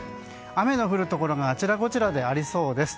雨の降るところがあちらこちらでありそうです。